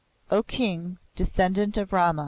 "O King, Descendant of Rama!